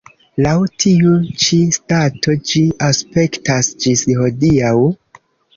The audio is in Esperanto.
Laŭ tiu ĉi stato ĝi aspektas ĝis hodiaŭ.